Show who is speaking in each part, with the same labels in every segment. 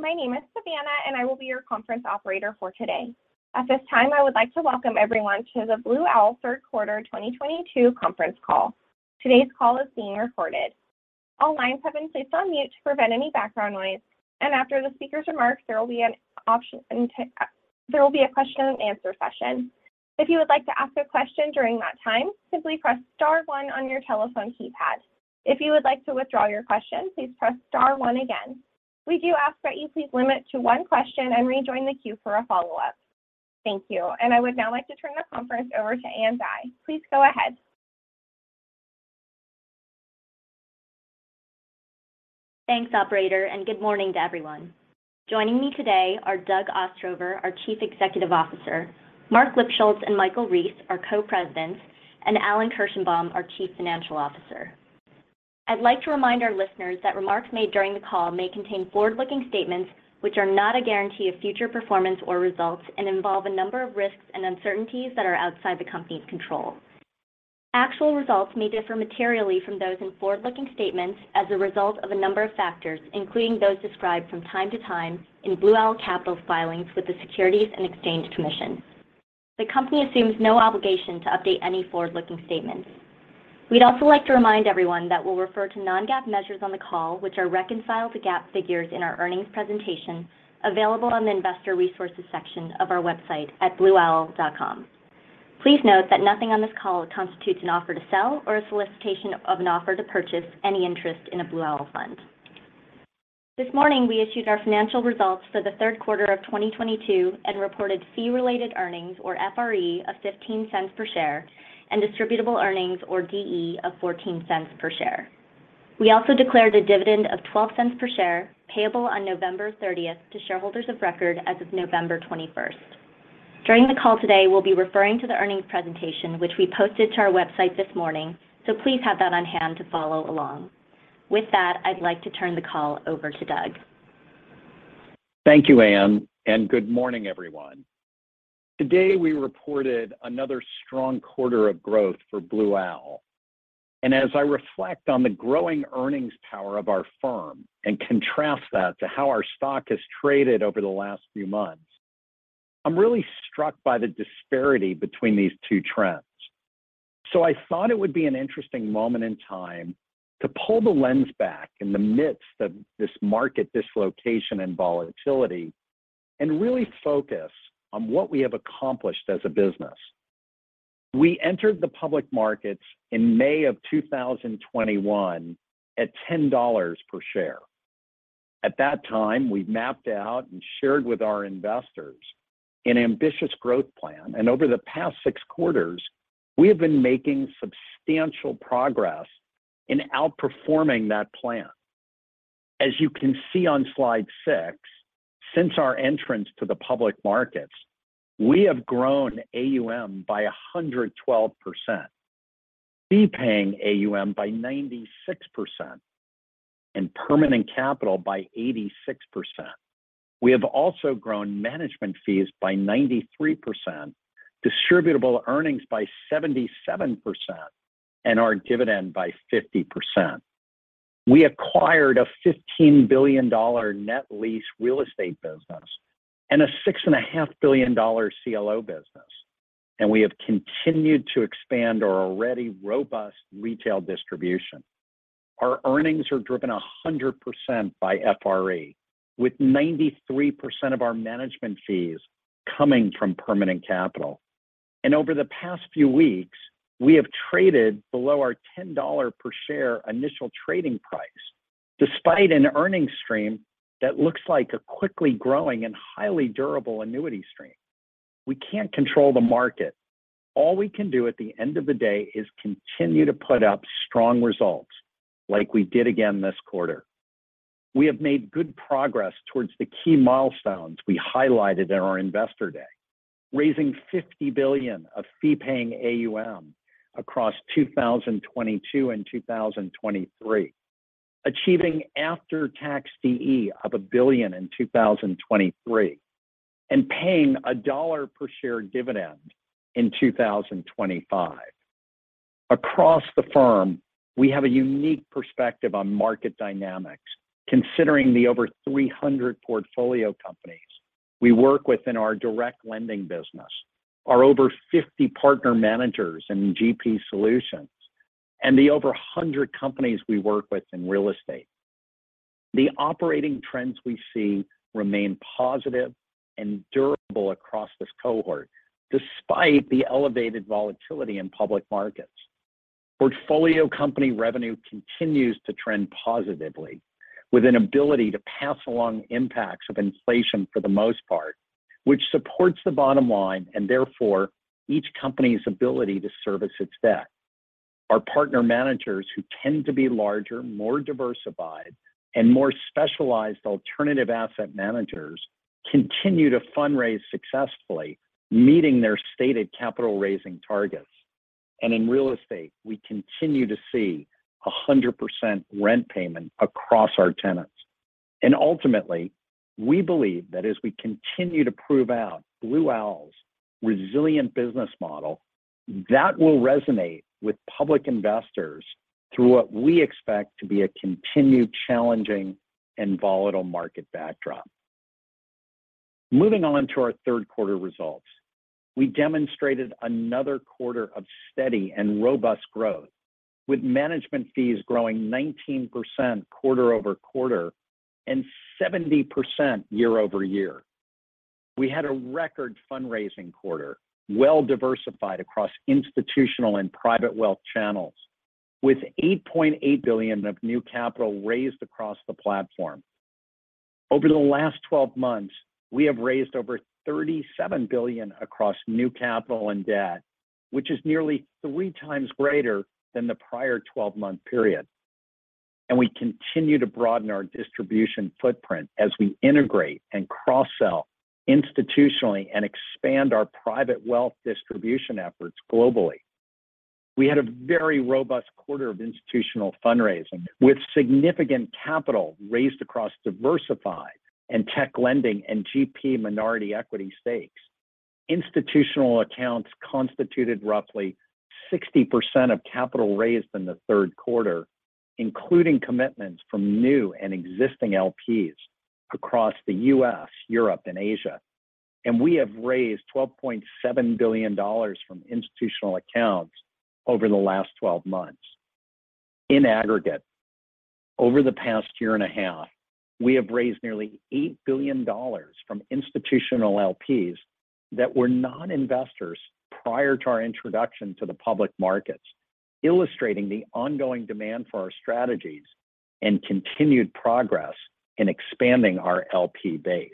Speaker 1: My name is Savannah, and I will be your conference operator for today. At this time, I would like to welcome everyone to the Blue Owl Third Quarter 2022 Conference Call. Today's call is being recorded. All lines have been placed on mute to prevent any background noise, and after the speaker's remarks, there will be a question and answer session. If you would like to ask a question during that time, simply press star one on your telephone keypad. If you would like to withdraw your question, please press star one again. We do ask that you please limit to one question and rejoin the queue for a follow-up. Thank you. I would now like to turn the conference over to Ann Dai. Please go ahead.
Speaker 2: Thanks, operator, and good morning to everyone. Joining me today are Doug Ostrover, our Chief Executive Officer, Marc Lipschultz and Michael Rees, our Co-Presidents, and Alan Kirshenbaum, our Chief Financial Officer. I'd like to remind our listeners that remarks made during the call may contain forward-looking statements, which are not a guarantee of future performance or results and involve a number of risks and uncertainties that are outside the company's control. Actual results may differ materially from those in forward-looking statements as a result of a number of factors, including those described from time to time in Blue Owl Capital's filings with the Securities and Exchange Commission. The company assumes no obligation to update any forward-looking statements. We'd also like to remind everyone that we'll refer to non-GAAP measures on the call, which are reconciled to GAAP figures in our earnings presentation available on the investor resources section of our website at blueowl.com. Please note that nothing on this call constitutes an offer to sell or a solicitation of an offer to purchase any interest in a Blue Owl fund. This morning, we issued our financial results for the third quarter of 2022 and reported fee-related earnings, or FRE, of $0.15 per share and distributable earnings, or DE, of $0.14 per share. We also declared a dividend of $0.12 per share payable on November 30th to shareholders of record as of November 21st. During the call today we'll be referring to the earnings presentation, which we posted to our website this morning, so please have that on hand to follow along. With that, I'd like to turn the call over to Doug.
Speaker 3: Thank you, Ann, and good morning, everyone. Today, we reported another strong quarter of growth for Blue Owl. As I reflect on the growing earnings power of our firm and contrast that to how our stock has traded over the last few months, I'm really struck by the disparity between these two trends. I thought it would be an interesting moment in time to pull the lens back in the midst of this market dislocation and volatility and really focus on what we have accomplished as a business. We entered the public markets in May 2021 at $10 per share. At that time, we mapped out and shared with our investors an ambitious growth plan. Over the past six quarters, we have been making substantial progress in outperforming that plan. As you can see on slide six, since our entrance to the public markets, we have grown AUM by 112%, fee paying AUM by 96%, and permanent capital by 86%. We have also grown management fees by 93%, distributable earnings by 77%, and our dividend by 50%. We acquired a $15 billion net lease real estate business, and a $6.5 billion CLO business. We have continued to expand our already robust retail distribution. Our earnings are driven 100% by FRE, with 93% of our management fees coming from permanent capital. Over the past few weeks, we have traded below our $10 per share initial trading price, despite an earnings stream that looks like a quickly growing and highly durable annuity stream. We can't control the market. All we can do at the end of the day is continue to put up strong results, like we did again this quarter. We have made good progress towards the key milestones we highlighted at our Investor Day, raising $50 billion of fee-paying AUM across 2022 and 2023, achieving after-tax DE of $1 billion in 2023, and paying $1 per share dividend in 2025. Across the firm, we have a unique perspective on market dynamics, considering the over 300 portfolio companies we work with in our direct lending business, our over 50 partner managers in GP Solutions, and the over 100 companies we work with in real estate. The operating trends we see remain positive and durable across this cohort, despite the elevated volatility in public markets. Portfolio company revenue continues to trend positively, with an ability to pass along impacts of inflation for the most part, which supports the bottom line, and therefore each company's ability to service its debt. Our partner managers, who tend to be larger, more diversified, and more specialized alternative asset managers, continue to fundraise successfully, meeting their stated capital raising targets. In real estate, we continue to see 100% rent payment across our tenants. Ultimately, we believe that as we continue to prove out Blue Owl's resilient business model, that will resonate with public investors through what we expect to be a continued challenging and volatile market backdrop. Moving on to our third quarter results. We demonstrated another quarter of steady and robust growth, with management fees growing 19% quarter-over-quarter and 70% year-over-year. We had a record fundraising quarter, well diversified across institutional and private wealth channels, with $8.8 billion of new capital raised across the platform. Over the last 12 months, we have raised over $37 billion across new capital and debt, which is nearly 3x greater than the prior 12-month period. We continue to broaden our distribution footprint as we integrate and cross-sell institutionally and expand our private wealth distribution efforts globally. We had a very robust quarter of institutional fundraising, with significant capital raised across diversified and tech lending and GP minority equity stakes. Institutional accounts constituted roughly 60% of capital raised in the third quarter, including commitments from new and existing LPs across the U.S., Europe, and Asia. We have raised $12.7 billion from institutional accounts over the last 12 months. In aggregate, over the past year and a half, we have raised nearly $8 billion from institutional LPs that were non-investors prior to our introduction to the public markets, illustrating the ongoing demand for our strategies and continued progress in expanding our LP base.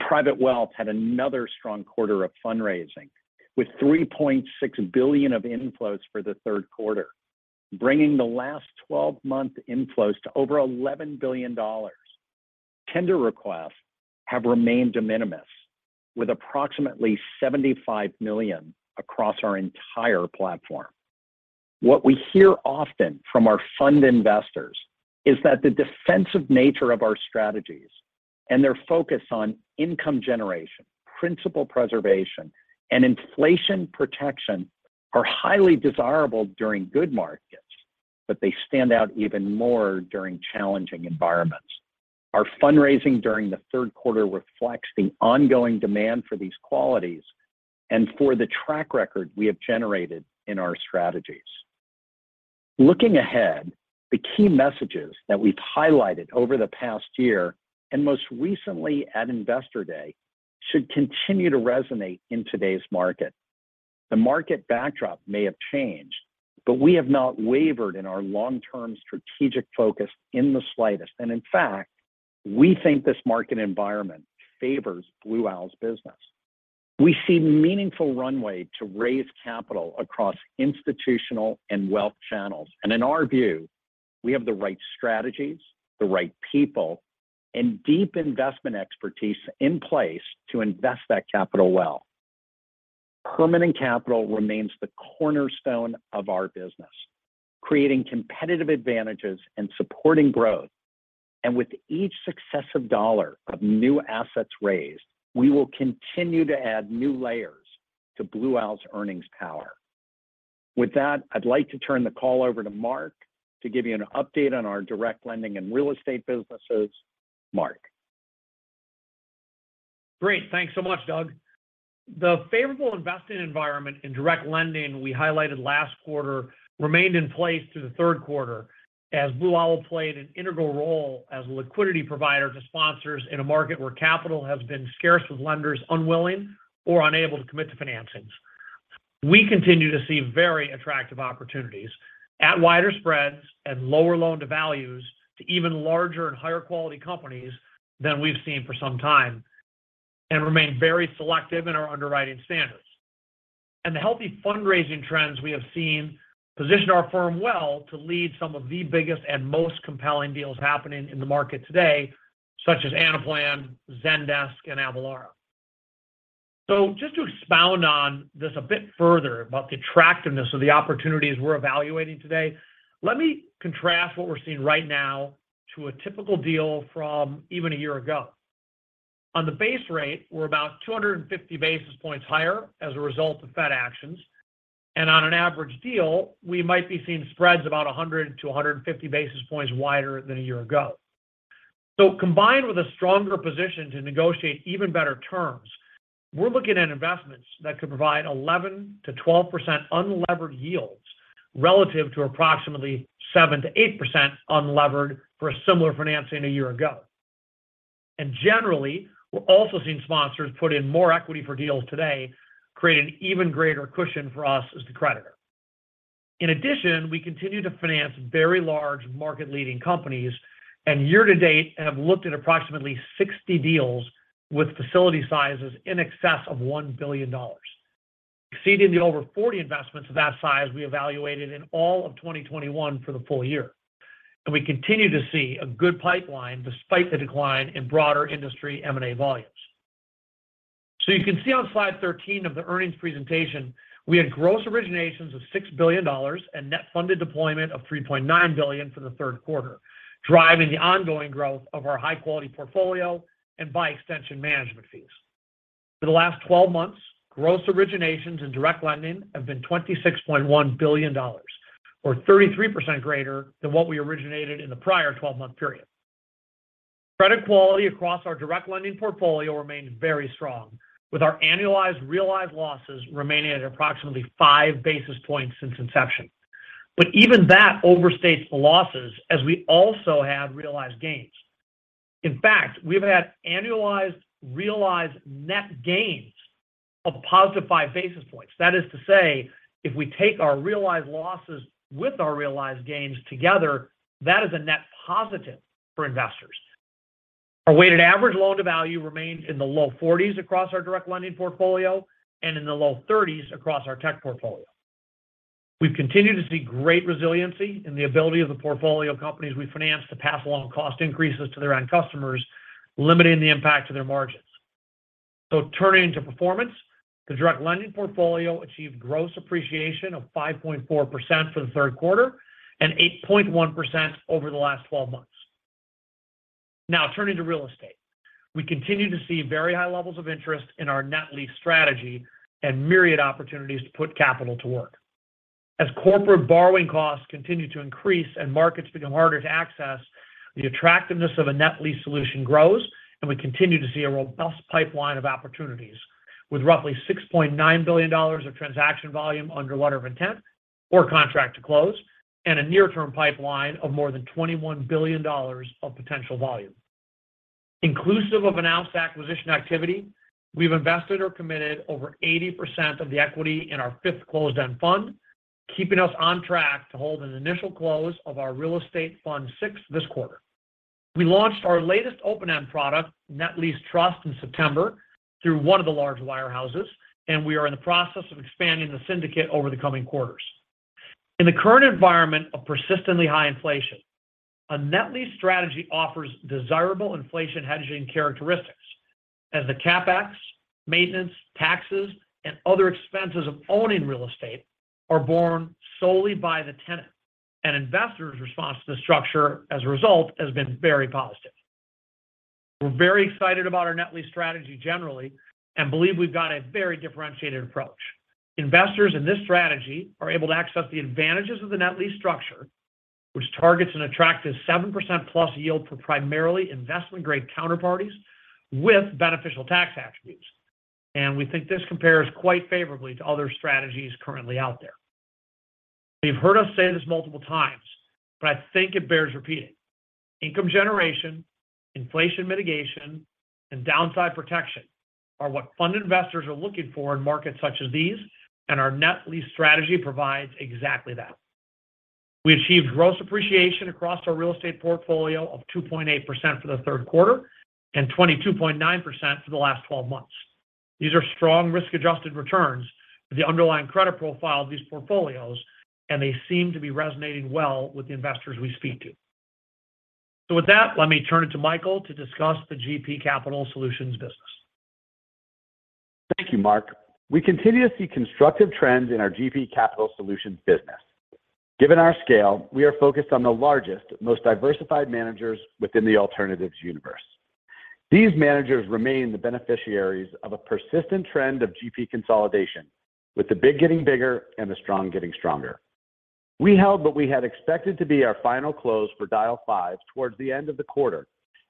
Speaker 3: Private Wealth had another strong quarter of fundraising, with $3.6 billion of inflows for the third quarter, bringing the last 12-month inflows to over $11 billion. Tender requests have remained de minimis, with approximately $75 million across our entire platform. What we hear often from our fund investors is that the defensive nature of our strategies and their focus on income generation, principal preservation, and inflation protection are highly desirable during good markets, but they stand out even more during challenging environments. Our fundraising during the third quarter reflects the ongoing demand for these qualities and for the track record we have generated in our strategies. Looking ahead, the key messages that we've highlighted over the past year, and most recently at Investor Day, should continue to resonate in today's market. The market backdrop may have changed, but we have not wavered in our long-term strategic focus in the slightest. In fact, we think this market environment favors Blue Owl's business. We see meaningful runway to raise capital across institutional and wealth channels. In our view, we have the right strategies, the right people, and deep investment expertise in place to invest that capital well. Permanent capital remains the cornerstone of our business, creating competitive advantages and supporting growth. With each successive dollar of new assets raised, we will continue to add new layers to Blue Owl's earnings power. With that, I'd like to turn the call over to Marc to give you an update on our direct lending and real estate businesses. Marc.
Speaker 4: Great. Thanks so much, Doug. The favorable investing environment in direct lending we highlighted last quarter remained in place through the third quarter as Blue Owl played an integral role as a liquidity provider to sponsors in a market where capital has been scarce with lenders unwilling or unable to commit to financings. We continue to see very attractive opportunities at wider spreads and lower loan-to-values to even larger and higher quality companies than we've seen for some time, and remain very selective in our underwriting standards. The healthy fundraising trends we have seen position our firm well to lead some of the biggest and most compelling deals happening in the market today, such as Anaplan, Zendesk, and Avalara. Just to expound on this a bit further about the attractiveness of the opportunities we're evaluating today, let me contrast what we're seeing right now to a typical deal from even a year ago. On the base rate, we're about 250 basis points higher as a result of Fed actions. On an average deal, we might be seeing spreads about 100 to 150 basis points wider than a year ago. Combined with a stronger position to negotiate even better terms, we're looking at investments that could provide 11%-12% unlevered yields relative to approximately 7%-8% unlevered for a similar financing a year ago. Generally, we're also seeing sponsors put in more equity for deals today, create an even greater cushion for us as the creditor. In addition, we continue to finance very large market-leading companies, and year to date have looked at approximately 60 deals with facility sizes in excess of $1 billion, exceeding the over 40 investments of that size we evaluated in all of 2021 for the full year. We continue to see a good pipeline despite the decline in broader industry M&A volumes. You can see on slide 13 of the earnings presentation, we had gross originations of $6 billion and net funded deployment of $3.9 billion for the third quarter, driving the ongoing growth of our high-quality portfolio and by extension management fees. For the last 12 months, gross originations in direct lending have been $26.1 billion or 33% greater than what we originated in the prior 12-month period. Credit quality across our direct lending portfolio remains very strong, with our annualized realized losses remaining at approximately 5 basis points since inception. Even that overstates the losses as we also have realized gains. In fact, we've had annualized realized net gains of positive 5 basis points. That is to say, if we take our realized losses with our realized gains together, that is a net positive for investors. Our weighted average loan-to-value remains in the low 40s across our direct lending portfolio and in the low 30s across our tech portfolio. We've continued to see great resiliency in the ability of the portfolio companies we finance to pass along cost increases to their own customers, limiting the impact to their margins. Turning to performance, the direct lending portfolio achieved gross appreciation of 5.4% for the third quarter and 8.1% over the last 12 months. Now turning to real estate. We continue to see very high levels of interest in our net lease strategy and myriad opportunities to put capital to work. As corporate borrowing costs continue to increase and markets become harder to access, the attractiveness of a net lease solution grows, and we continue to see a robust pipeline of opportunities with roughly $6.9 billion of transaction volume under letter of intent or contract to close, and a near-term pipeline of more than $21 billion of potential volume. Inclusive of announced acquisition activity, we've invested or committed over 80% of the equity in our fifth closed-end fund, keeping us on track to hold an initial close of our Real Estate Fund VI this quarter. We launched our latest open-end product, Net Lease Trust, in September through one of the large wirehouses, and we are in the process of expanding the syndicate over the coming quarters. In the current environment of persistently high inflation, a net lease strategy offers desirable inflation hedging characteristics as the CapEx, maintenance, taxes, and other expenses of owning real estate are borne solely by the tenant. Investors' response to the structure as a result has been very positive. We're very excited about our net lease strategy generally and believe we've got a very differentiated approach. Investors in this strategy are able to access the advantages of the net lease structure, which targets an attractive 7%+ yield for primarily investment-grade counterparties with beneficial tax attributes. We think this compares quite favorably to other strategies currently out there. You've heard us say this multiple times, but I think it bears repeating. Income generation, inflation mitigation, and downside protection are what fund investors are looking for in markets such as these, and our net lease strategy provides exactly that. We achieved gross appreciation across our real estate portfolio of 2.8% for the third quarter and 22.9% for the last 12 months. These are strong risk-adjusted returns for the underlying credit profile of these portfolios, and they seem to be resonating well with the investors we speak to. With that, let me turn it to Michael to discuss the GP Capital Solutions business.
Speaker 5: Thank you, Marc. We continue to see constructive trends in our GP Capital Solutions business. Given our scale, we are focused on the largest, most diversified managers within the alternatives universe. These managers remain the beneficiaries of a persistent trend of GP consolidation, with the big getting bigger and the strong getting stronger. We held what we had expected to be our final close for Dyal V towards the end of the quarter,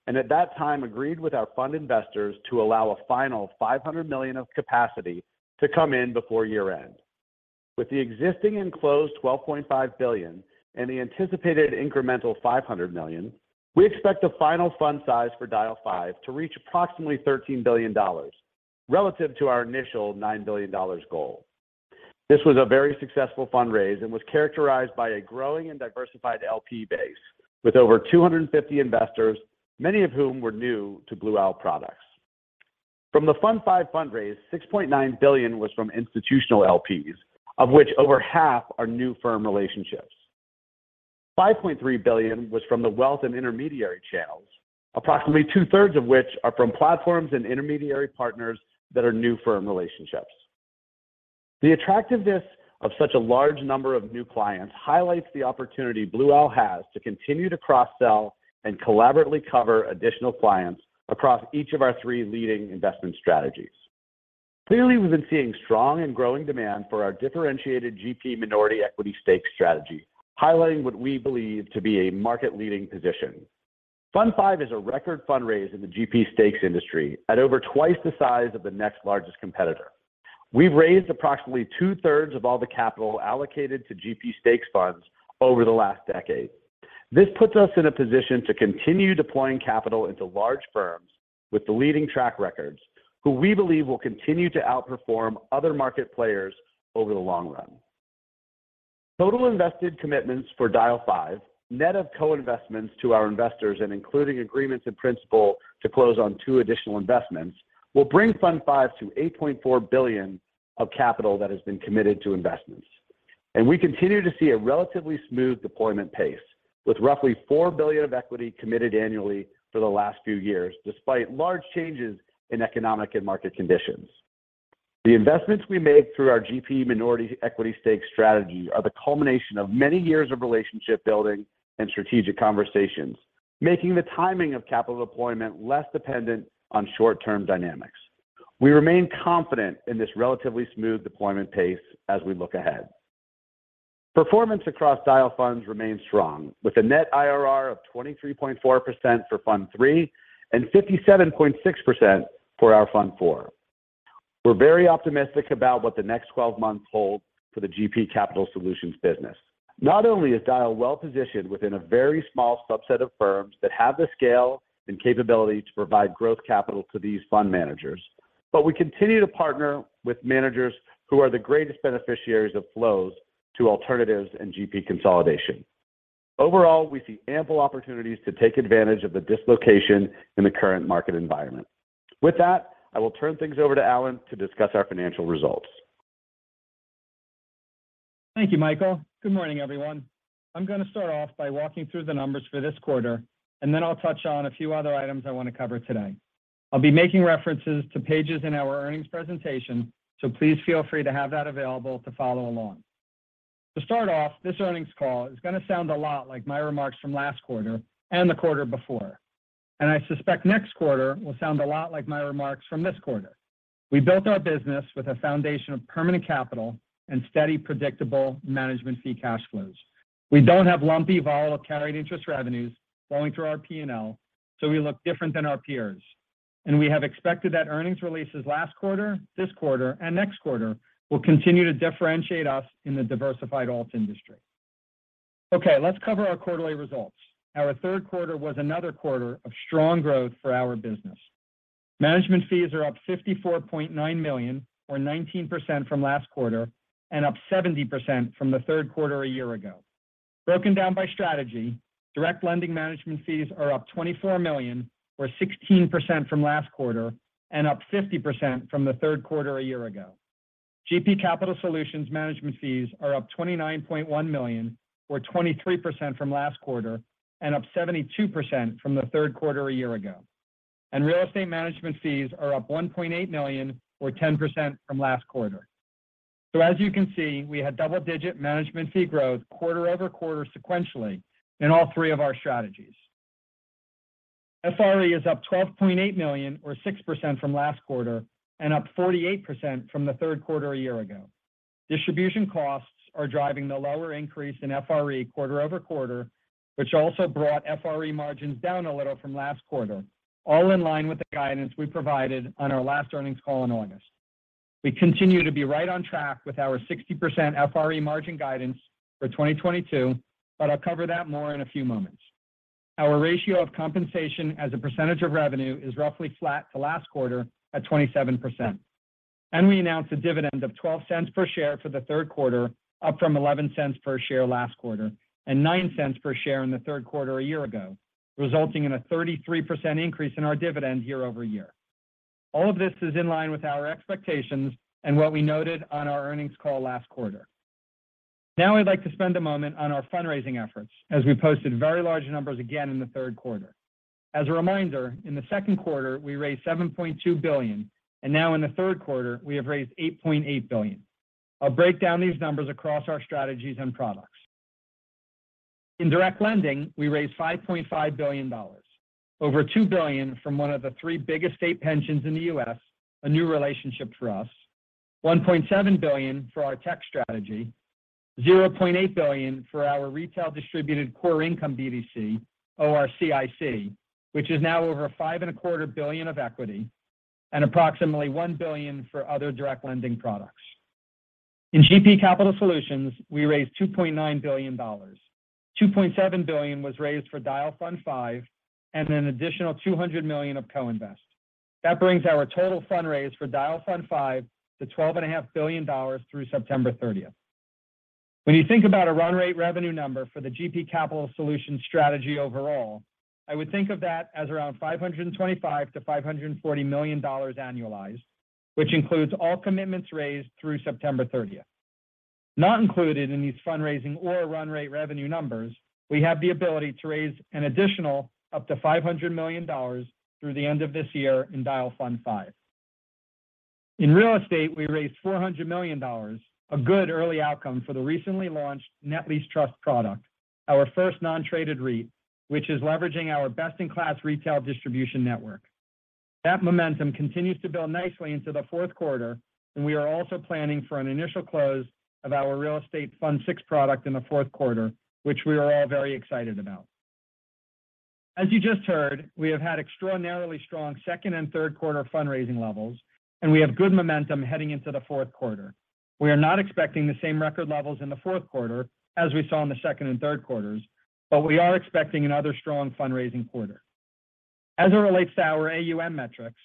Speaker 5: and at that time agreed with our fund investors to allow a final $500 million of capacity to come in before year-end. With the existing closed $12.5 billion and the anticipated incremental $500 million, we expect the final fund size for Dyal V to reach approximately $13 billion relative to our initial $9 billion goal. This was a very successful fundraise and was characterized by a growing and diversified LP base with over 250 investors, many of whom were new to Blue Owl products. From the Fund V fundraise, $6.9 billion was from institutional LPs, of which over half are new firm relationships. $5.3 billion was from the wealth and intermediary channels, approximately two-thirds of which are from platforms and intermediary partners that are new firm relationships. The attractiveness of such a large number of new clients highlights the opportunity Blue Owl has to continue to cross-sell and collaboratively cover additional clients across each of our three leading investment strategies. Clearly, we've been seeing strong and growing demand for our differentiated GP minority equity stake strategy, highlighting what we believe to be a market-leading position. Fund V is a record fundraise in the GP stakes industry at over twice the size of the next largest competitor. We've raised approximately two-thirds of all the capital allocated to GP stakes funds over the last decade. This puts us in a position to continue deploying capital into large firms with the leading track records, who we believe will continue to outperform other market players over the long run. Total invested commitments for Dyal Fund V, net of co-investments to our investors and including agreements in principle to close on two additional investments, will bring Dyal Fund V to $8.4 billion of capital that has been committed to investments. We continue to see a relatively smooth deployment pace, with roughly $4 billion of equity committed annually for the last few years, despite large changes in economic and market conditions. The investments we make through our GP minority equity stake strategy are the culmination of many years of relationship building and strategic conversations, making the timing of capital deployment less dependent on short-term dynamics. We remain confident in this relatively smooth deployment pace as we look ahead. Performance across Dyal funds remains strong, with a net IRR of 23.4% for Fund III and 57.6% for our Fund IV. We're very optimistic about what the next 12 months hold for the GP Capital Solutions business. Not only is Dyal well-positioned within a very small subset of firms that have the scale and capability to provide growth capital to these fund managers, but we continue to partner with managers who are the greatest beneficiaries of flows to alternatives and GP consolidation. Overall, we see ample opportunities to take advantage of the dislocation in the current market environment. With that, I will turn things over to Alan to discuss our financial results.
Speaker 6: Thank you, Michael. Good morning, everyone. I'm gonna start off by walking through the numbers for this quarter, and then I'll touch on a few other items I wanna cover today. I'll be making references to pages in our earnings presentation, so please feel free to have that available to follow along. To start off, this earnings call is gonna sound a lot like my remarks from last quarter and the quarter before. I suspect next quarter will sound a lot like my remarks from this quarter. We built our business with a foundation of permanent capital and steady, predictable management fee cash flows. We don't have lumpy, volatile carried interest revenues flowing through our P&L, so we look different than our peers. We have expected that earnings releases last quarter, this quarter, and next quarter will continue to differentiate us in the diversified alt industry. Okay, let's cover our quarterly results. Our third quarter was another quarter of strong growth for our business. Management fees are up $54.9 million or 19% from last quarter, and up 70% from the third quarter a year ago. Broken down by strategy, direct lending management fees are up $24 million or 16% from last quarter, and up 50% from the third quarter a year ago. GP Capital Solutions management fees are up $29.1 million, or 23% from last quarter, and up 72% from the third quarter a year ago. And real estate management fees are up $1.8 million or 10% from last quarter. As you can see, we had double-digit management fee growth quarter-over-quarter sequentially in all three of our strategies. FRE is up $12.8 million or 6% from last quarter, and up 48% from the third quarter a year ago. Distribution costs are driving the lower increase in FRE quarter-over-quarter, which also brought FRE margins down a little from last quarter, all in line with the guidance we provided on our last earnings call in August. We continue to be right on track with our 60% FRE margin guidance for 2022, but I'll cover that more in a few moments. Our ratio of compensation as a percentage of revenue is roughly flat to last quarter at 27%. We announced a dividend of $0.12 per share for the third quarter, up from $0.11 per share last quarter, and $0.09 per share in the third quarter a year ago, resulting in a 33% increase in our dividend year-over-year. All of this is in line with our expectations and what we noted on our earnings call last quarter. Now I'd like to spend a moment on our fundraising efforts, as we posted very large numbers again in the third quarter. As a reminder, in the second quarter, we raised $7.2 billion, and now in the third quarter, we have raised $8.8 billion. I'll break down these numbers across our strategies and products. In direct lending, we raised $5.5 billion. Over $2 billion from one of the three biggest state pensions in the U.S., a new relationship for us. $1.7 billion for our tech strategy. $0.8 billion for our retail distributed core income BDC, OCIC, which is now over $5.25 billion of equity, and approximately $1 billion for other direct lending products. In GP Capital Solutions, we raised $2.9 billion. $2.7 billion was raised for Dyal Fund V, and an additional $200 million of co-invest. That brings our total fundraise for Dyal Fund V to $12.5 billion through September 30th. When you think about a run rate revenue number for the GP Capital Solutions strategy overall, I would think of that as around $525 million-$540 million annualized, which includes all commitments raised through September 30th. Not included in these fundraising or run rate revenue numbers, we have the ability to raise an additional up to $500 million through the end of this year in Dyal Fund V. In real estate, we raised $400 million, a good early outcome for the recently launched net lease trust product, our first non-traded REIT, which is leveraging our best-in-class retail distribution network. That momentum continues to build nicely into the fourth quarter, and we are also planning for an initial close of our real estate Fund VI product in the fourth quarter, which we are all very excited about. As you just heard, we have had extraordinarily strong second and third quarter fundraising levels, and we have good momentum heading into the fourth quarter. We are not expecting the same record levels in the fourth quarter as we saw in the second and third quarters, but we are expecting another strong fundraising quarter. As it relates to our AUM metrics,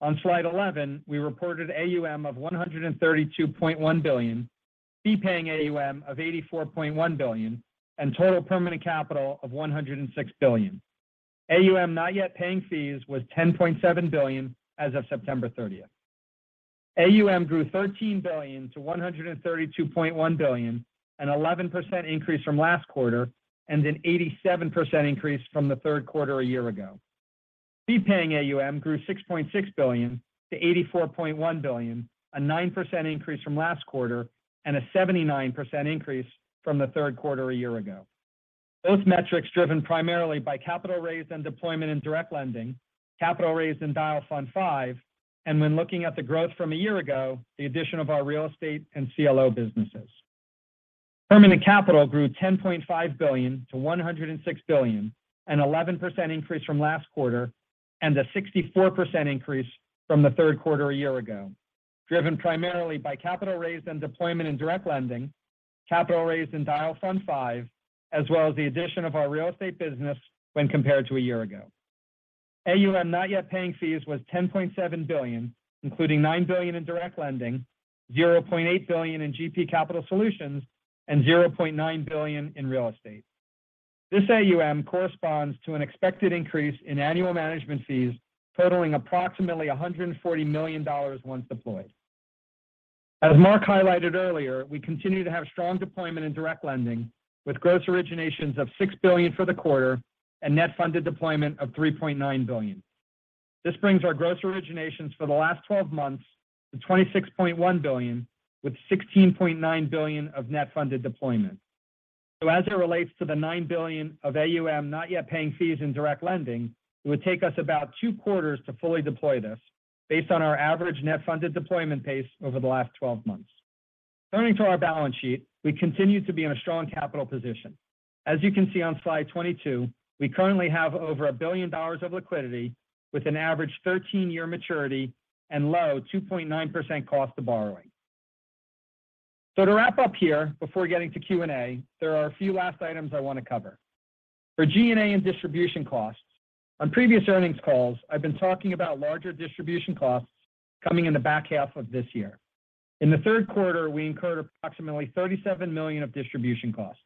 Speaker 6: on slide 11, we reported AUM of $132.1 billion, fee-paying AUM of $84.1 billion, and total permanent capital of $106 billion. AUM not yet paying fees was $10.7 billion as of September 30th. AUM grew $13 billion to $132.1 billion, an 11% increase from last quarter, and an 87% increase from the third quarter a year ago. Fee-paying AUM grew $6.6 billion to $84.1 billion, a 9% increase from last quarter and a 79% increase from the third quarter a year ago. Both metrics driven primarily by capital raised and deployment in direct lending, capital raised in Dyal Fund V, and when looking at the growth from a year ago, the addition of our real estate and CLO businesses. Permanent capital grew $10.5 billion to $106 billion, an 11% increase from last quarter, and a 64% increase from the third quarter a year ago, driven primarily by capital raised and deployment in direct lending, capital raised in Dyal Fund V, as well as the addition of our real estate business when compared to a year ago. AUM not yet paying fees was $10.7 billion, including $9 billion in direct lending, $0.8 billion in GP Capital Solutions, and $0.9 billion in real estate. This AUM corresponds to an expected increase in annual management fees totaling approximately $140 million once deployed. As Marc highlighted earlier, we continue to have strong deployment in direct lending with gross originations of $6 billion for the quarter and net funded deployment of $3.9 billion. This brings our gross originations for the last 12 months to $26.1 billion, with $16.9 billion of net funded deployment. As it relates to the $9 billion of AUM not yet paying fees in direct lending, it would take us about two quarters to fully deploy this based on our average net funded deployment pace over the last 12 months. Turning to our balance sheet, we continue to be in a strong capital position. As you can see on slide 22, we currently have over $1 billion of liquidity with an average 13-year maturity and low 2.9% cost of borrowing. To wrap up here before getting to Q&A, there are a few last items I want to cover. For G&A and distribution costs. On previous earnings calls, I've been talking about larger distribution costs coming in the back half of this year. In the third quarter, we incurred approximately $37 million of distribution costs.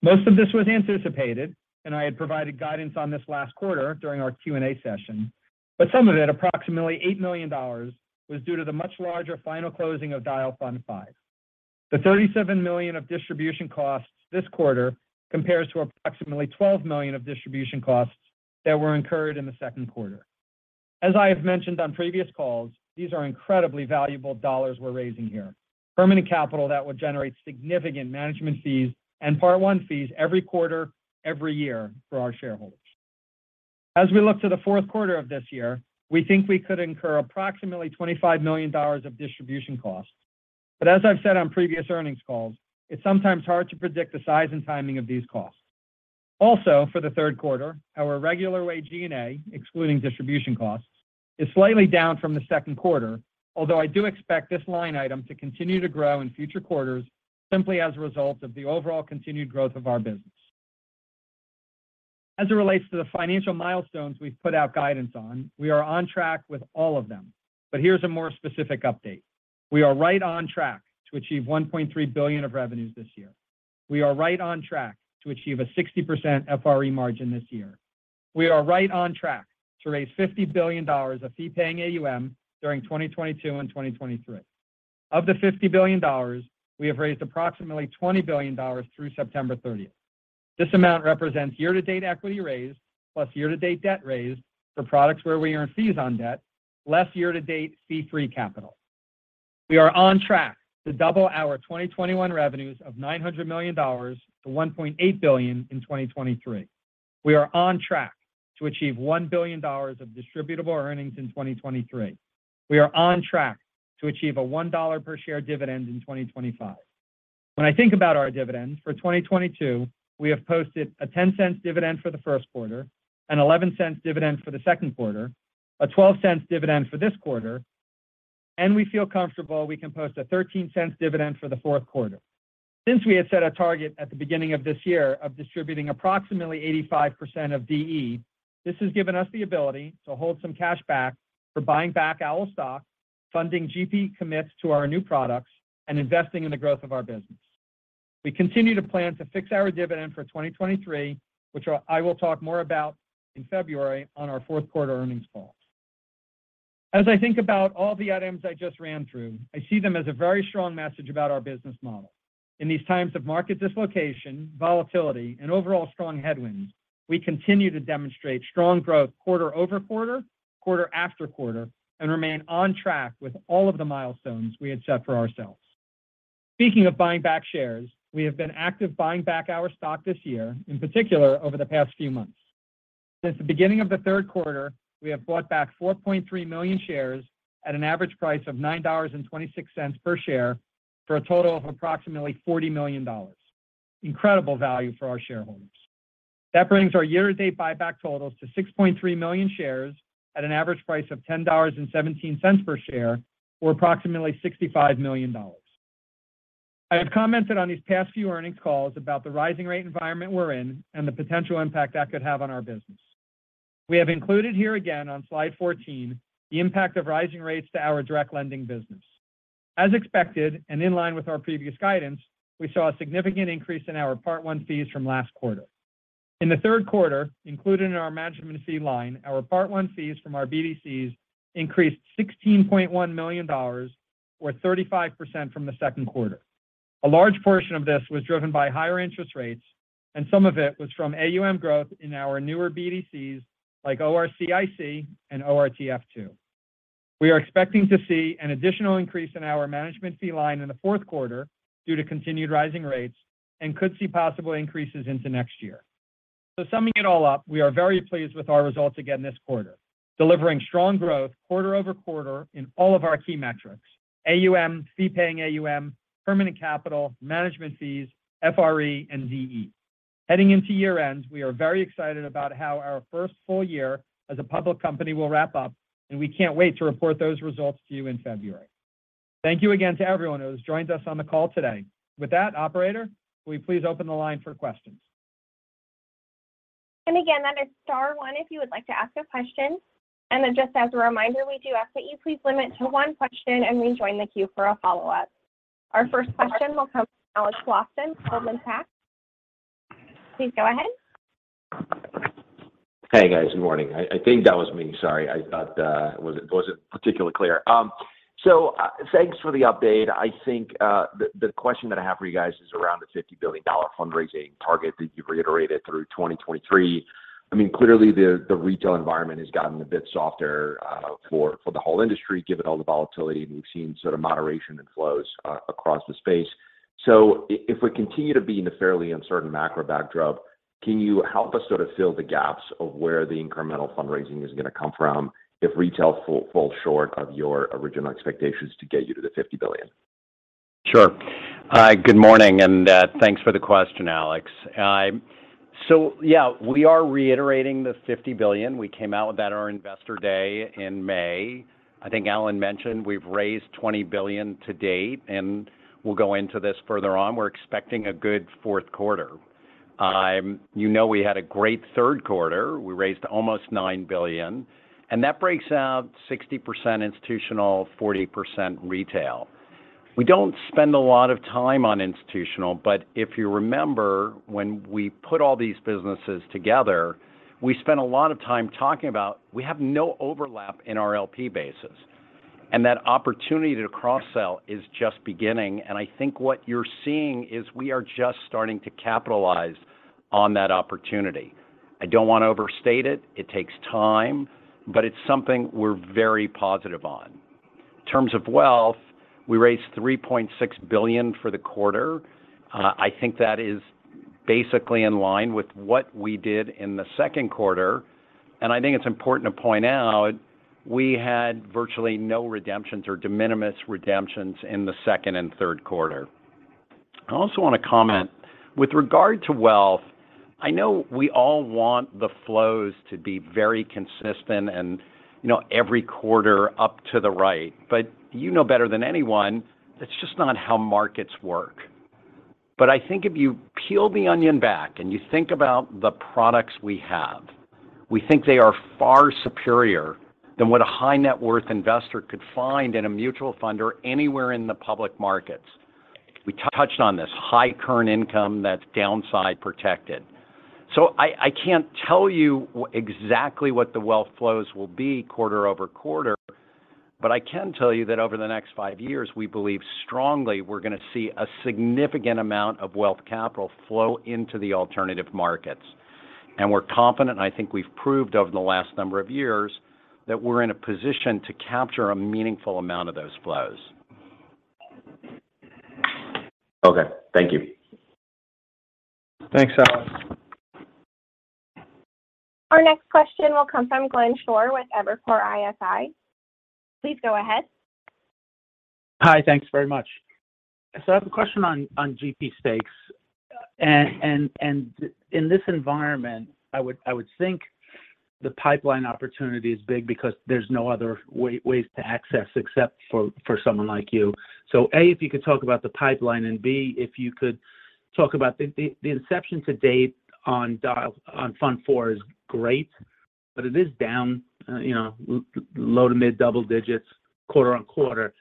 Speaker 6: Most of this was anticipated, and I had provided guidance on this last quarter during our Q&A session. But some of it, approximately $8 million, was due to the much larger final closing of Dyal Fund V. The $37 million of distribution costs this quarter compares to approximately $12 million of distribution costs that were incurred in the second quarter. As I have mentioned on previous calls, these are incredibly valuable dollars we're raising here. Permanent capital that will generate significant management fees and Part I Fees every quarter, every year for our shareholders. As we look to the fourth quarter of this year, we think we could incur approximately $25 million of distribution costs. As I've said on previous earnings calls, it's sometimes hard to predict the size and timing of these costs. Also, for the third quarter, our regular wage G&A, excluding distribution costs, is slightly down from the second quarter. Although I do expect this line item to continue to grow in future quarters simply as a result of the overall continued growth of our business. As it relates to the financial milestones we've put out guidance on, we are on track with all of them. Here's a more specific update. We are right on track to achieve $1.3 billion of revenues this year. We are right on track to achieve a 60% FRE margin this year. We are right on track to raise $50 billion of fee-paying AUM during 2022 and 2023. Of the $50 billion, we have raised approximately $20 billion through September 30. This amount represents year-to-date equity raise plus year-to-date debt raise for products where we earn fees on debt, less year-to-date fee-free capital. We are on track to double our 2021 revenues of $900 million to $1.8 billion in 2023. We are on track to achieve $1 billion of distributable earnings in 2023. We are on track to achieve a $1 per share dividend in 2025. When I think about our dividends for 2022, we have posted a $0.10 dividend for the first quarter, an $0.11 dividend for the second quarter, a $0.12 dividend for this quarter, and we feel comfortable we can post a $0.13 dividend for the fourth quarter. Since we had set a target at the beginning of this year of distributing approximately 85% of DE, this has given us the ability to hold some cash back for buying back our stock, funding GP commits to our new products, and investing in the growth of our business. We continue to plan to fix our dividend for 2023, which I will talk more about in February on our fourth-quarter earnings call. As I think about all the items I just ran through, I see them as a very strong message about our business model. In these times of market dislocation, volatility, and overall strong headwinds, we continue to demonstrate strong growth quarter over quarter after quarter, and remain on track with all of the milestones we had set for ourselves. Speaking of buying back shares, we have been active buying back our stock this year, in particular over the past few months. Since the beginning of the third quarter, we have bought back 4.3 million shares at an average price of $9.26 per share for a total of approximately $40 million. Incredible value for our shareholders. That brings our year-to-date buyback totals to 6.3 million shares at an average price of $10.17 per share, or approximately $65 million. I have commented on these past few earnings calls about the rising rate environment we're in and the potential impact that could have on our business. We have included here again on slide 14 the impact of rising rates to our direct lending business. As expected and in line with our previous guidance, we saw a significant increase in our Part I Fees from last quarter. In the third quarter, included in our management fee line, our Part I Fees from our BDCs increased $16.1 million or 35% from the second quarter. A large portion of this was driven by higher interest rates, and some of it was from AUM growth in our newer BDCs like OCIC and OTF II. We are expecting to see an additional increase in our management fee line in the fourth quarter due to continued rising rates, and could see possible increases into next year. Summing it all up, we are very pleased with our results again this quarter, delivering strong growth quarter-over-quarter in all of our key metrics, AUM, fee-paying AUM, permanent capital, management fees, FRE, and DE. Heading into year-end, we are very excited about how our first full year as a public company will wrap up, and we can't wait to report those results to you in February. Thank you again to everyone who has joined us on the call today. With that, operator, will you please open the line for questions?
Speaker 1: Again, that is star one if you would like to ask a question. Just as a reminder, we do ask that you please limit to one question and rejoin the queue for a follow-up. Our first question will come from Alexander Blostein, Goldman Sachs. Please go ahead.
Speaker 7: Hey, guys. Good morning. I think that was me. Sorry, I thought it wasn't particularly clear. Thanks for the update. I think the question that I have for you guys is around the $50 billion fundraising target that you've reiterated through 2023. I mean, clearly the retail environment has gotten a bit softer for the whole industry, given all the volatility, and we've seen sort of moderation in flows across the space. If we continue to be in a fairly uncertain macro backdrop, can you help us sort of fill the gaps of where the incremental fundraising is gonna come from if retail falls short of your original expectations to get you to the $50 billion?
Speaker 3: Sure. Good morning, and thanks for the question, Alex. So yeah, we are reiterating the $50 billion. We came out with that at our investor day in May. I think Alan mentioned we've raised $20 billion to date, and we'll go into this further on. We're expecting a good fourth quarter. You know, we had a great third quarter. We raised almost $9 billion, and that breaks out 60% institutional, 40% retail. We don't spend a lot of time on institutional, but if you remember when we put all these businesses together, we spent a lot of time talking about we have no overlap in our LP bases. That opportunity to cross-sell is just beginning, and I think what you're seeing is we are just starting to capitalize on that opportunity. I don't wanna overstate it. It takes time, but it's something we're very positive on. In terms of wealth, we raised $3.6 billion for the quarter. I think that is basically in line with what we did in the second quarter. I think it's important to point out we had virtually no redemptions or de minimis redemptions in the second and third quarter. I also wanna comment, with regard to wealth, I know we all want the flows to be very consistent and, you know, every quarter up to the right. You know better than anyone that's just not how markets work. I think if you peel the onion back, and you think about the products we have, we think they are far superior than what a high-net-worth investor could find in a mutual fund or anywhere in the public markets. We touched on this, high current income that's downside protected. I can't tell you exactly what the wealth flows will be quarter over quarter, but I can tell you that over the next five years, we believe strongly we're gonna see a significant amount of wealth capital flow into the alternative markets. We're confident, and I think we've proved over the last number of years, that we're in a position to capture a meaningful amount of those flows.
Speaker 7: Okay. Thank you.
Speaker 6: Thanks, Alex.
Speaker 1: Our next question will come from Glenn Schorr with Evercore ISI. Please go ahead.
Speaker 8: Hi. Thanks very much. I have a question on GP stakes. In this environment, I would think the pipeline opportunity is big because there's no other ways to access except for someone like you. A, if you could talk about the pipeline, and B, if you could talk about the inception to date on Dyal Fund IV is great, but it is down low to mid double digits quarter-over-quarter.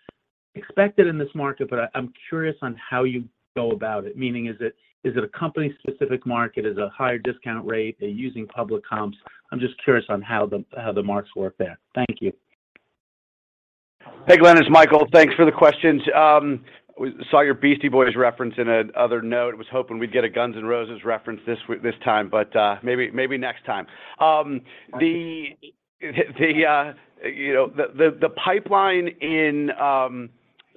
Speaker 8: Expected in this market, but I'm curious on how you go about it, meaning is it a company-specific market? Is it a higher discount rate? Are you using public comps? I'm just curious on how the marks work there. Thank you.
Speaker 5: Hey, Glenn Schorr, it's Michael Rees. Thanks for the questions. We saw your Beastie Boys reference in another note, was hoping we'd get a Guns N' Roses reference this time, but maybe next time. You know,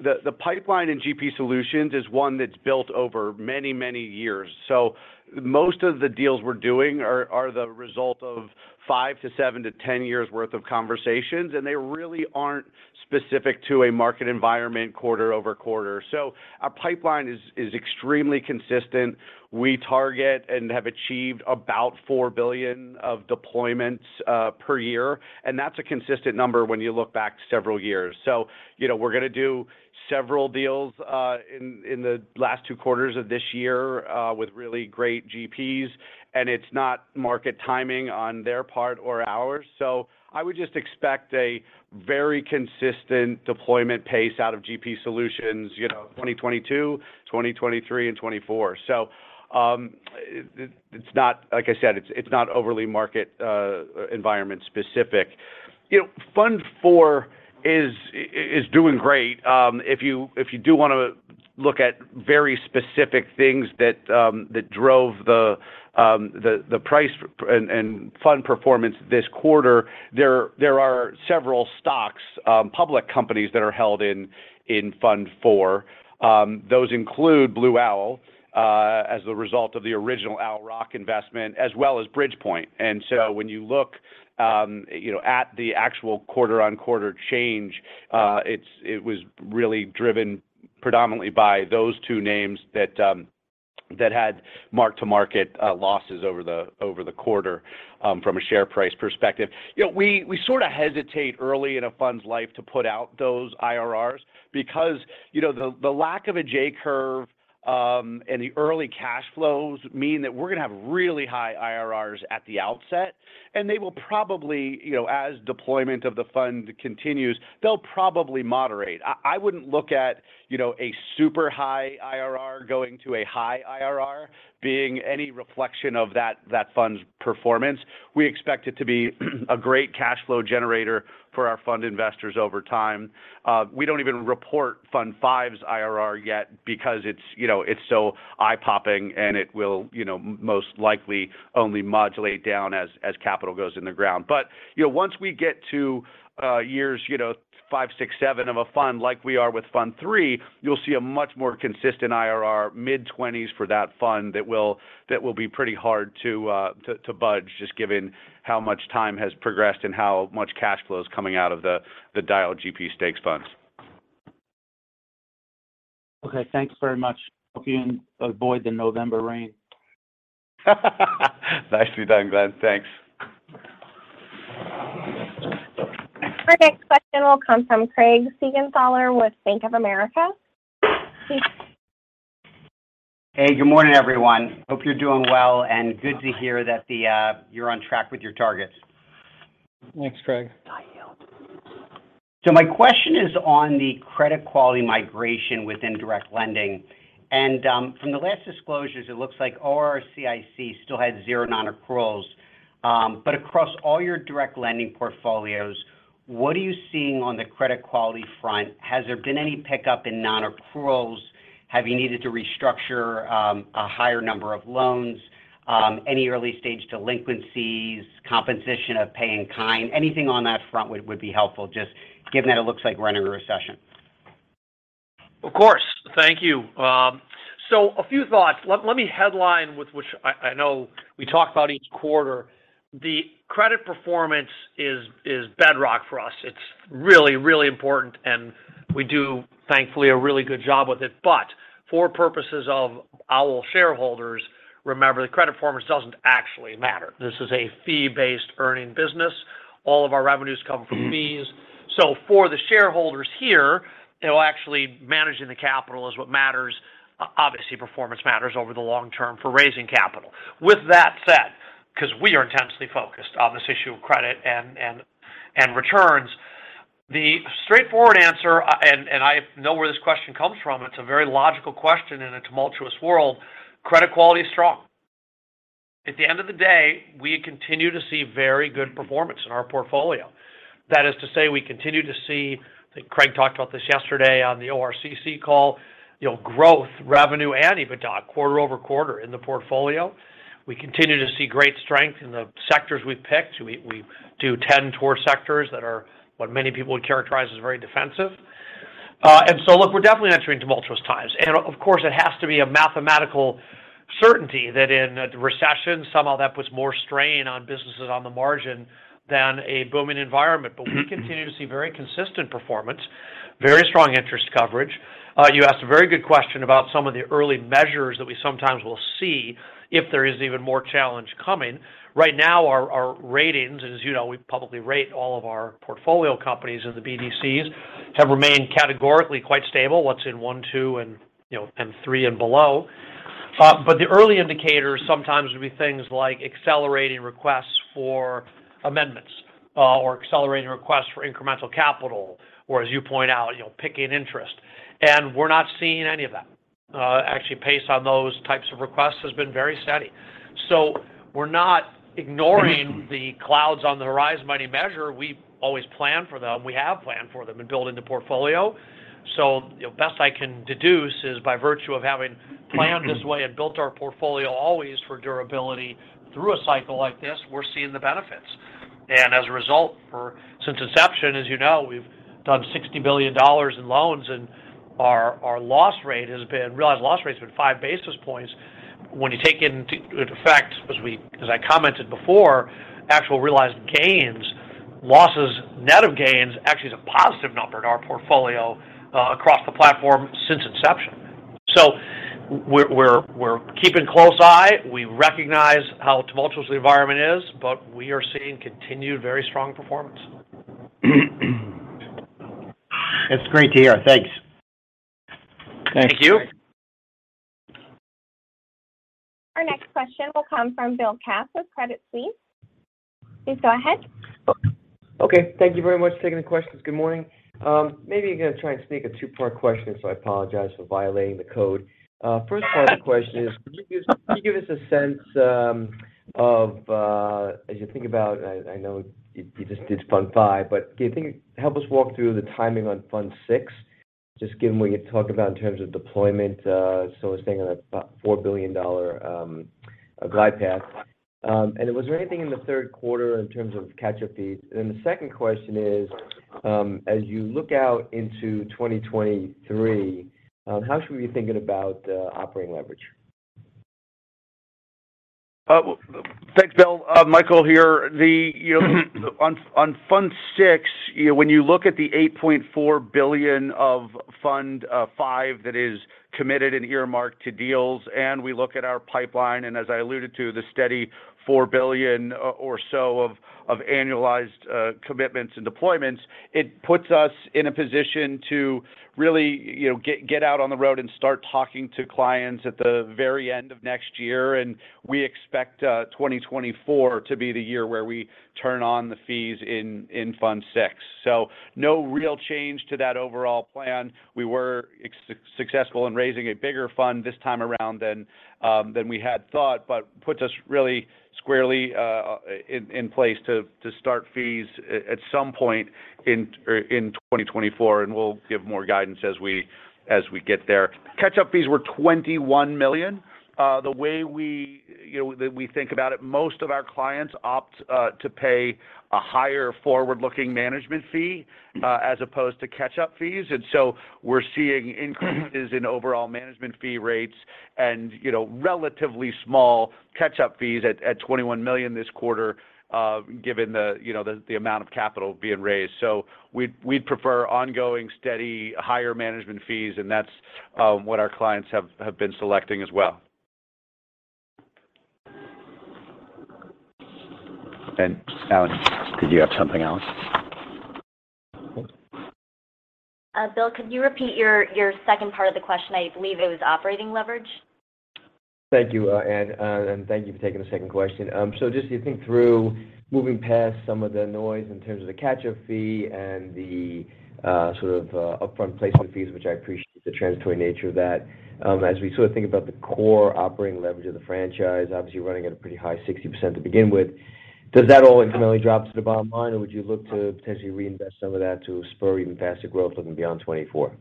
Speaker 5: the pipeline in GP Solutions is one that's built over many years. Most of the deals we're doing are the result of five to seven to 10 years worth of conversations, and they really aren't specific to a market environment quarter-over-quarter. Our pipeline is extremely consistent. We target and have achieved about $4 billion of deployments per year, and that's a consistent number when you look back several years. You know, we're gonna do several deals in the last two quarters of this year with really great GPs, and it's not market timing on their part or ours. I would just expect a very consistent deployment pace out of GP Solutions, you know, 2022, 2023 and 2024. It's not, like I said, it's not overly market environment specific. You know, Fund IV is doing great. If you do wanna look at very specific things that drove the price and fund performance this quarter, there are several stocks, public companies that are held in Fund IV. Those include Blue Owl, as the result of the original Owl Rock investment, as well as Bridgepoint. When you look, you know, at the actual quarter-on-quarter change, it was really driven predominantly by those two names that had mark-to-market losses over the quarter, from a share price perspective. You know, we sorta hesitate early in a fund's life to put out those IRRs because, you know, the lack of a J-curve, and the early cash flows mean that we're gonna have really high IRRs at the outset, and they will probably, you know, as deployment of the fund continues, they'll probably moderate. I wouldn't look at, you know, a super high IRR going to a high IRR being any reflection of that fund's performance. We expect it to be a great cash flow generator for our fund investors over time. We don't even report Fund V's IRR yet because it's, you know, so eye-popping, and it will, you know, most likely only modulate down as capital goes in the ground. You know, once we get to years, you know, five, six, seven of a fund like we are with Fund III, you'll see a much more consistent IRR, mid-20s for that fund that will be pretty hard to budge, just given how much time has progressed and how much cash flow is coming out of the Dyal GP Stakes funds.
Speaker 8: Okay, thanks very much. Hope you avoid the November rain.
Speaker 5: Nicely done, Glenn. Thanks.
Speaker 1: Our next question will come from Craig Siegenthaler with Bank of America.
Speaker 9: Hey, good morning, everyone. Hope you're doing well, and good to hear that you're on track with your targets.
Speaker 4: Thanks, Craig.
Speaker 9: My question is on the credit quality migration within direct lending. From the last disclosures, it looks like OCIC still had zero non-accruals. But across all your direct lending portfolios, what are you seeing on the credit quality front? Has there been any pickup in non-accruals? Have you needed to restructure a higher number of loans? Any early-stage delinquencies, concessions or pay-in-kind? Anything on that front would be helpful, just given that it looks like we're entering a recession.
Speaker 4: Of course. Thank you. A few thoughts. Let me headline with which I know we talk about each quarter. The credit performance is bedrock for us. It's really important, and we do, thankfully, a really good job with it. For purposes of Owl shareholders, remember that credit performance doesn't actually matter. This is a fee-based earning business. All of our revenues come from fees. For the shareholders here, it'll actually managing the capital is what matters. Obviously, performance matters over the long term for raising capital. With that said, 'cause we are intensely focused on this issue of credit and returns, the straightforward answer, I know where this question comes from, it's a very logical question in a tumultuous world, credit quality is strong. At the end of the day, we continue to see very good performance in our portfolio. That is to say, we continue to see, I think Craig talked about this yesterday on the ORCC call, you know, growth, revenue and EBITDA quarter-over-quarter in the portfolio. We continue to see great strength in the sectors we've picked. We do 10 core sectors that are what many people would characterize as very defensive. Look, we're definitely entering tumultuous times. Of course, it has to be a mathematical certainty that in a recession, somehow that puts more strain on businesses on the margin than a booming environment. We continue to see very consistent performance, very strong interest coverage. You asked a very good question about some of the early measures that we sometimes will see if there is even more challenge coming. Right now, our ratings, as you know, we publicly rate all of our portfolio companies in the BDCs, have remained categorically quite stable. What's in one, two, and three and below. But the early indicators sometimes would be things like accelerating requests for amendments, or accelerating requests for incremental capital, or as you point out, pay-in-kind interest. We're not seeing any of that. Actually, pace on those types of requests has been very steady. We're not ignoring the clouds on the horizon by any measure. We always plan for them. We have planned for them and built in the portfolio. Best I can deduce is by virtue of having planned this way and built our portfolio always for durability through a cycle like this, we're seeing the benefits. As a result for. Since inception, as you know, we've done $60 billion in loans, and our realized loss rate has been 5 basis points. When you take into account, as I commented before, actual realized gains, losses net of gains actually is a positive number in our portfolio, across the platform since inception. We're keeping close eye. We recognize how tumultuous the environment is, but we are seeing continued very strong performance.
Speaker 9: That's great to hear. Thanks.
Speaker 4: Thank you.
Speaker 1: Our next question will come from William Katz with Wolfe Research. Please go ahead.
Speaker 10: Okay. Thank you very much for taking the questions. Good morning. Maybe gonna try and sneak a two-part question in, so I apologize for violating the code. First part of the question is, could you give us a sense of, as you think about, I know you just did Fund V, but help us walk through the timing on Fund VI? Just given what you talk about in terms of deployment, so we're staying on about a $4 billion glide path. Was there anything in the third quarter in terms of catch-up fees? The second question is, as you look out into 2023, how should we be thinking about operating leverage?
Speaker 5: Thanks, Bill. Michael here. You know, on Fund VI, you know, when you look at the $8.4 billion of Fund V that is committed and earmarked to deals, and we look at our pipeline, and as I alluded to, the steady $4 billion or so of annualized commitments and deployments, it puts us in a position to really, you know, get out on the road and start talking to clients at the very end of next year. We expect 2024 to be the year where we turn on the fees in Fund VI. No real change to that overall plan. We were successful in raising a bigger fund this time around than we had thought, but puts us really squarely in place to start fees at some point in 2024, and we'll give more guidance as we get there. Catch-up fees were $21 million. The way we, you know, we think about it, most of our clients opt to pay a higher forward-looking management fee as opposed to catch-up fees. We're seeing increases in overall management fee rates and, you know, relatively small catch-up fees at $21 million this quarter, given the, you know, the amount of capital being raised. We'd prefer ongoing, steady, higher management fees, and that's what our clients have been selecting as well.
Speaker 10: Alan, did you have something else?
Speaker 2: Bill, could you repeat your second part of the question? I believe it was operating leverage.
Speaker 10: Thank you, Ann, and thank you for taking the second question. Just you think through moving past some of the noise in terms of the catch-up fee and the sort of upfront placement fees, which I appreciate the transitory nature of that. As we sort of think about the core operating leverage of the franchise, obviously you're running at a pretty high 60% to begin with. Does that all incrementally drop to the bottom line or would you look to potentially reinvest some of that to spur even faster growth looking beyond 2024?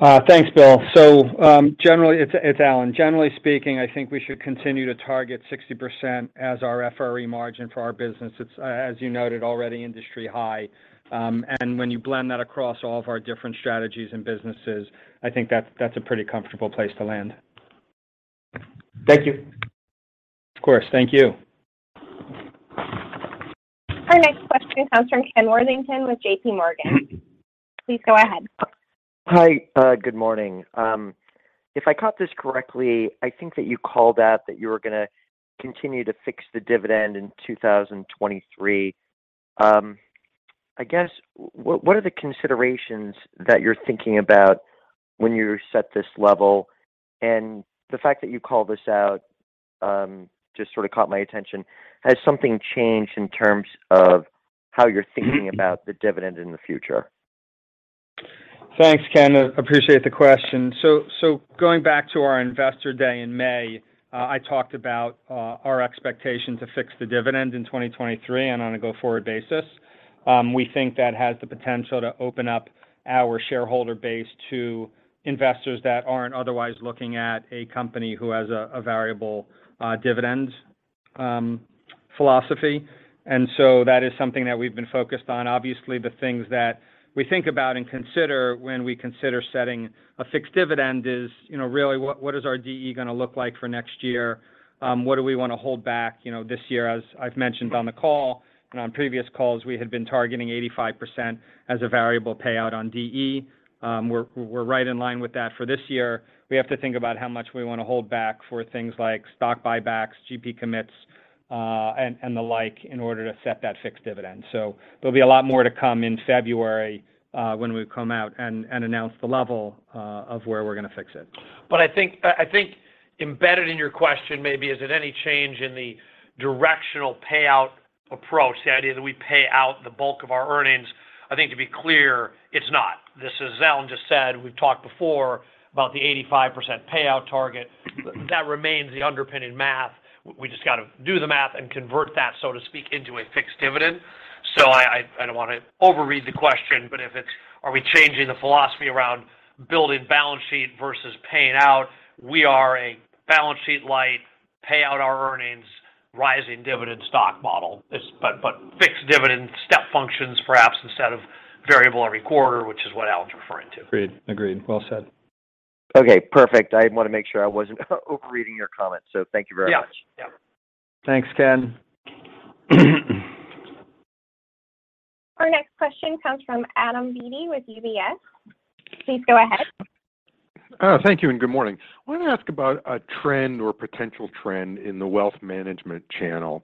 Speaker 6: Thanks, Bill. It's Alan. Generally speaking, I think we should continue to target 60% as our FRE margin for our business. It's as you noted already, industry high. When you blend that across all of our different strategies and businesses, I think that's a pretty comfortable place to land.
Speaker 10: Thank you.
Speaker 6: Of course. Thank you.
Speaker 1: Our next question comes from Ken Worthington with JPMorgan. Please go ahead.
Speaker 11: Hi. Good morning. If I caught this correctly, I think that you called out that you were gonna continue to fix the dividend in 2023. I guess what are the considerations that you're thinking about when you set this level? The fact that you called this out just sort of caught my attention. Has something changed in terms of how you're thinking about the dividend in the future?
Speaker 6: Thanks, Ken. Appreciate the question. So going back to our investor day in May, I talked about our expectation to fix the dividend in 2023 and on a go-forward basis. We think that has the potential to open up our shareholder base to investors that aren't otherwise looking at a company who has a variable dividend philosophy. That is something that we've been focused on. Obviously, the things that we think about and consider when we consider setting a fixed dividend is, you know, really, what is our DE gonna look like for next year? What do we wanna hold back? You know, this year, as I've mentioned on the call and on previous calls, we had been targeting 85% as a variable payout on DE. We're right in line with that. For this year, we have to think about how much we wanna hold back for things like stock buybacks, GP commits, and the like, in order to set that fixed dividend. There'll be a lot more to come in February, when we come out and announce the level of where we're gonna fix it. I think embedded in your question maybe is it any change in the directional payout approach, the idea that we pay out the bulk of our earnings. I think to be clear, it's not. This is, as Alan just said, we've talked before about the 85% payout target. That remains the underpinning math. We just gotta do the math and convert that, so to speak, into a fixed dividend. I don't wanna overread the question, but if it's, are we changing the philosophy around building balance sheet versus paying out, we are a balance sheet light, pay out our earnings, rising dividend stock model. Fixed dividend step functions perhaps instead of variable every quarter, which is what Alan's referring to. Agreed. Well said.
Speaker 11: Okay, perfect. I want to make sure I wasn't overreading your comment, so thank you very much.
Speaker 6: Yeah. Yeah. Thanks, Ken.
Speaker 1: Our next question comes from Adam Beatty with UBS. Please go ahead.
Speaker 12: Thank you, and good morning. I want to ask about a trend or potential trend in the wealth management channel.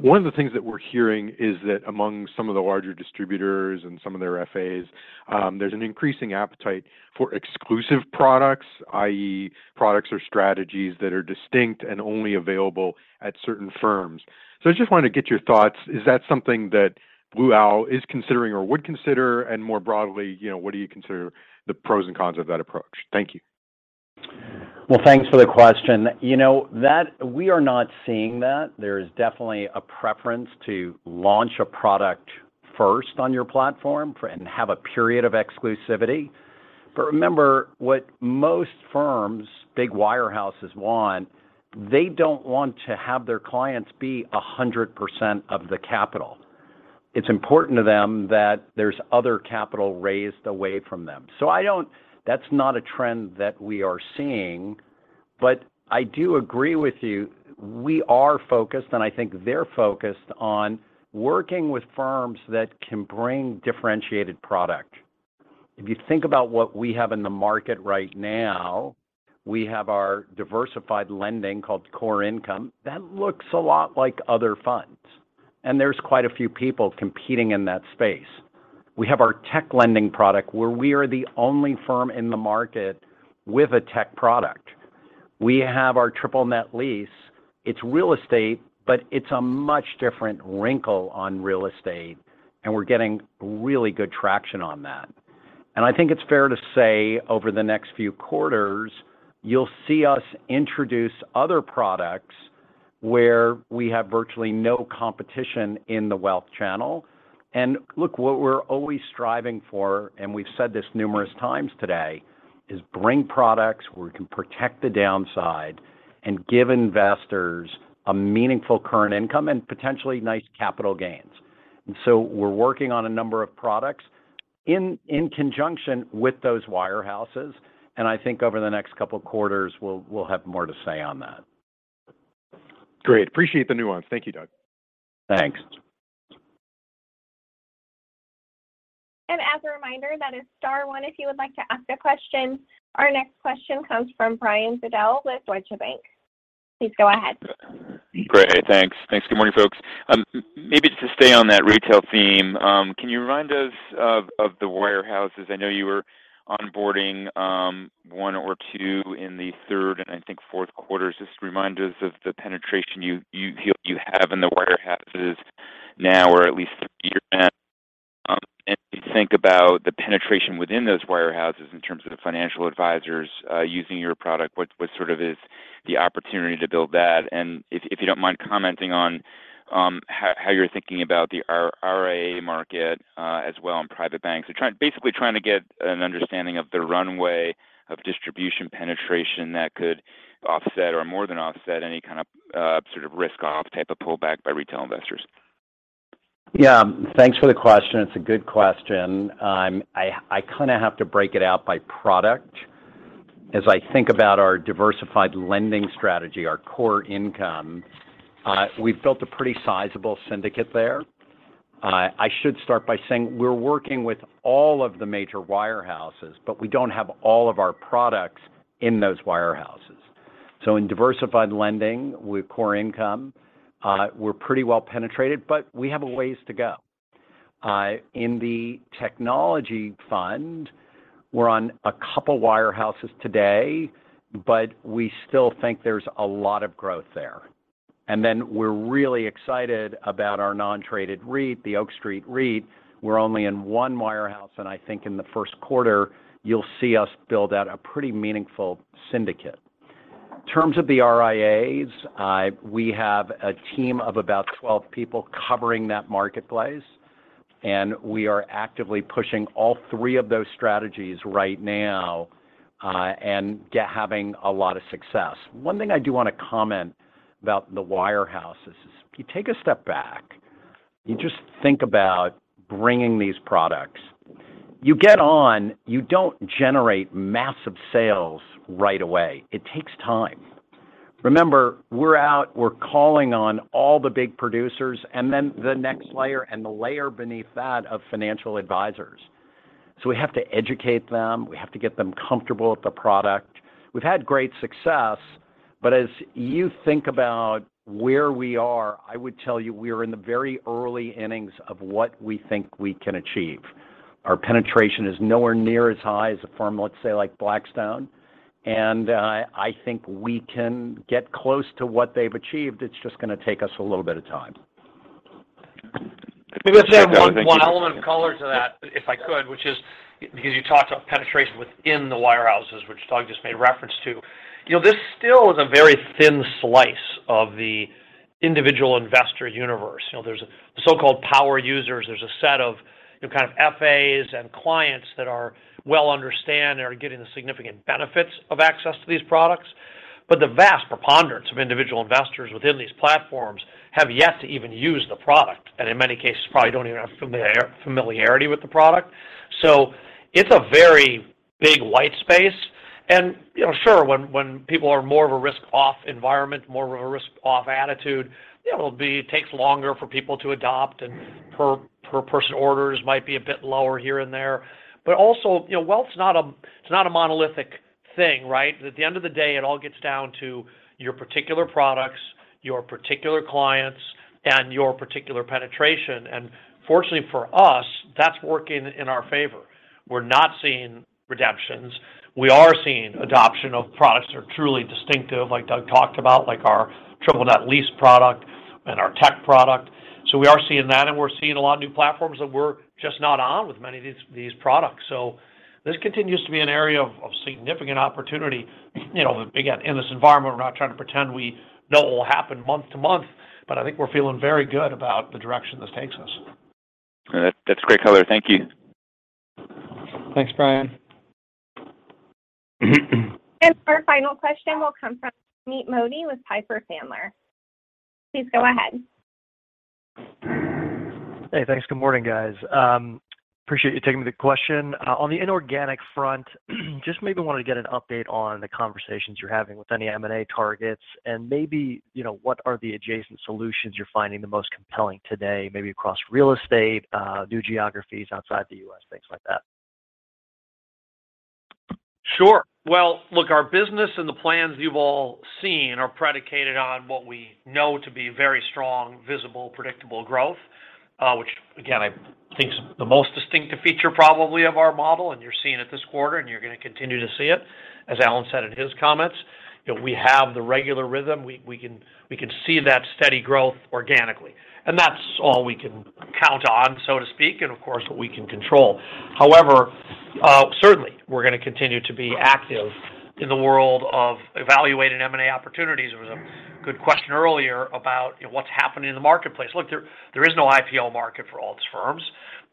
Speaker 12: One of the things that we're hearing is that among some of the larger distributors and some of their FAs, there's an increasing appetite for exclusive products, i.e., products or strategies that are distinct and only available at certain firms. I just wanted to get your thoughts. Is that something that Blue Owl is considering or would consider? More broadly, you know, what do you consider the pros and cons of that approach? Thank you.
Speaker 3: Well, thanks for the question. You know, that we are not seeing that. There is definitely a preference to launch a product first on your platform for and have a period of exclusivity. But remember, what most firms, big wirehouses want, they don't want to have their clients be 100% of the capital. It's important to them that there's other capital raised away from them. So I don't that's not a trend that we are seeing. But I do agree with you. We are focused, and I think they're focused on working with firms that can bring differentiated product. If you think about what we have in the market right now, we have our diversified lending called Core Income. That looks a lot like other funds, and there's quite a few people competing in that space. We have our tech lending product, where we are the only firm in the market with a tech product. We have our triple net lease. It's real estate, but it's a much different wrinkle on real estate, and we're getting really good traction on that. I think it's fair to say, over the next few quarters, you'll see us introduce other products where we have virtually no competition in the wealth channel. Look, what we're always striving for, and we've said this numerous times today, is bring products where we can protect the downside and give investors a meaningful current income and potentially nice capital gains. We're working on a number of products in conjunction with those wirehouses, and I think over the next couple quarters, we'll have more to say on that.
Speaker 12: Great. Appreciate the nuance. Thank you, Doug.
Speaker 3: Thanks.
Speaker 1: As a reminder, that is star one if you would like to ask a question. Our next question comes from Brian Bedell with Deutsche Bank. Please go ahead.
Speaker 13: Great. Thanks. Good morning, folks. Maybe to stay on that retail theme, can you remind us of the wirehouses? I know you were onboarding one or two in the third and I think fourth quarters. Just remind us of the penetration you have in the wirehouses now or at least year end. And if you think about the penetration within those wirehouses in terms of the financial advisors using your product, what sort of is the opportunity to build that? And if you don't mind commenting on how you're thinking about the RIA market as well and private banks. We're trying to get an understanding of the runway of distribution penetration that could offset or more than offset any kind of sort of risk-off type of pullback by retail investors.
Speaker 3: Yeah. Thanks for the question. It's a good question. I kinda have to break it out by product. As I think about our diversified lending strategy, our Core Income, we've built a pretty sizable syndicate there. I should start by saying we're working with all of the major wirehouses, but we don't have all of our products in those wirehouses. In diversified lending with Core Income, we're pretty well penetrated, but we have a ways to go. In the technology fund, we're on a couple wirehouses today, but we still think there's a lot of growth there. We're really excited about our non-traded REIT, the Oak Street REIT. We're only in one wirehouse, and I think in the first quarter, you'll see us build out a pretty meaningful syndicate. In terms of the RIAs, we have a team of about 12 people covering that marketplace, and we are actively pushing all three of those strategies right now, and having a lot of success. One thing I do wanna comment about the wirehouses is if you take a step back, you just think about bringing these products. You get on, you don't generate massive sales right away. It takes time. Remember, we're out, we're calling on all the big producers, and then the next layer and the layer beneath that of financial advisors. We have to educate them. We have to get them comfortable with the product. We've had great success, but as you think about where we are, I would tell you we are in the very early innings of what we think we can achieve. Our penetration is nowhere near as high as a firm, let's say, like Blackstone, and I think we can get close to what they've achieved. It's just gonna take us a little bit of time.
Speaker 4: Maybe I'd say one final color to that, if I could, which is because you talked about penetration within the wirehouses, which Doug just made reference to. You know, this still is a very thin slice of the individual investor universe. You know, there's so-called power users. There's a set of kind of FAs and clients that are well understood and are getting the significant benefits of access to these products. The vast preponderance of individual investors within these platforms have yet to even use the product, and in many cases, probably don't even have familiarity with the product. It's a very big white space. You know, sure, when people are more of a risk-off environment, more of a risk-off attitude, yeah, it'll take longer for people to adopt and per person orders might be a bit lower here and there. Also, you know, wealth's not a monolithic thing, right? At the end of the day, it all gets down to your particular products, your particular clients, and your particular penetration. Fortunately for us, that's working in our favor. We're not seeing redemptions. We are seeing adoption of products that are truly distinctive, like Doug talked about, like our triple net lease product and our tech product. We are seeing that, and we're seeing a lot of new platforms that we're just not on with many of these products. This continues to be an area of significant opportunity. You know, again, in this environment, we're not trying to pretend we know what will happen month to month, but I think we're feeling very good about the direction this takes us.
Speaker 13: That's great color. Thank you.
Speaker 4: Thanks, Brian.
Speaker 1: Our final question will come from Sumeet Mody with Piper Sandler. Please go ahead.
Speaker 14: Hey, thanks. Good morning, guys. Appreciate you taking the question. On the inorganic front, just maybe wanna get an update on the conversations you're having with any M&A targets and maybe, you know, what are the adjacent solutions you're finding the most compelling today, maybe across real estate, new geographies outside the U.S., things like that?
Speaker 4: Sure. Well, look, our business and the plans you've all seen are predicated on what we know to be very strong, visible, predictable growth, which again, I think is the most distinctive feature probably of our model, and you're seeing it this quarter, and you're gonna continue to see it. As Alan said in his comments, you know, we have the regular rhythm. We can see that steady growth organically. That's all we can count on, so to speak, and of course, what we can control. However, certainly, we're gonna continue to be active in the world of evaluating M&A opportunities. There was a good question earlier about, you know, what's happening in the marketplace. Look, there is no IPO market for alts firms.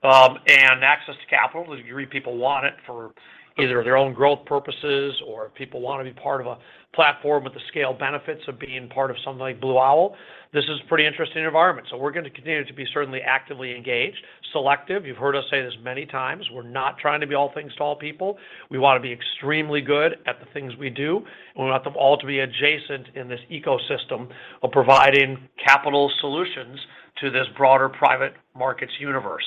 Speaker 4: Access to capital, as you read, people want it for either their own growth purposes or people wanna be part of a platform with the scale benefits of being part of something like Blue Owl. This is pretty interesting environment, so we're gonna continue to be certainly actively engaged. Selective, you've heard us say this many times, we're not trying to be all things to all people. We wanna be extremely good at the things we do, and we want them all to be adjacent in this ecosystem of providing capital solutions to this broader private markets universe.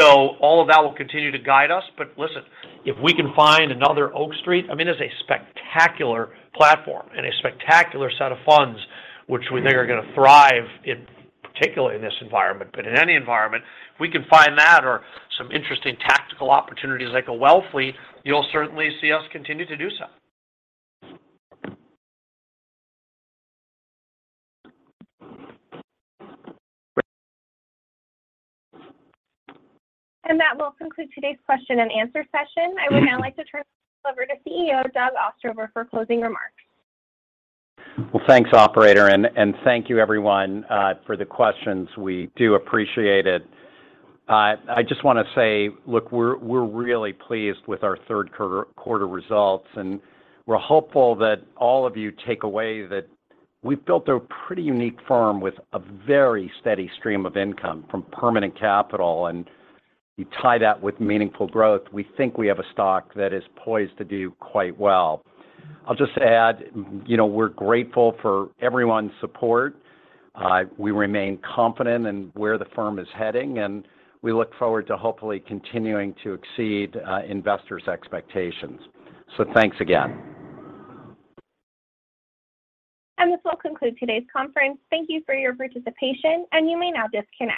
Speaker 4: All of that will continue to guide us. Listen, if we can find another Oak Street, I mean, it's a spectacular platform and a spectacular set of funds, which we think are gonna thrive in particular in this environment. In any environment, if we can find that or some interesting tactical opportunities like a Wellfleet, you'll certainly see us continue to do so.
Speaker 1: That will conclude today's question and answer session. I would now like to turn this over to CEO Doug Ostrover for closing remarks. Well, thanks, operator. Thank you everyone for the questions. We do appreciate it. I just wanna say, look, we're really pleased with our third quarter results, and we're hopeful that all of you take away that we've built a pretty unique firm with a very steady stream of income from permanent capital, and you tie that with meaningful growth. We think we have a stock that is poised to do quite well. I'll just add, you know, we're grateful for everyone's support. We remain confident in where the firm is heading, and we look forward to hopefully continuing to exceed investors' expectations. Thanks again. This will conclude today's conference. Thank you for your participation, and you may now disconnect.